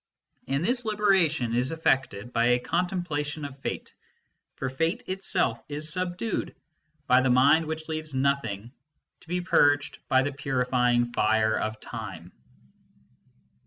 And this liberation is effected by a con templation of Fate ; for Fate itself is subdued by the 5 6 MYSTICISM AND LOGIC mind which leaves nothing to be purged by the purifying fire of Time.